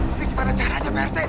ini gimana caranya prt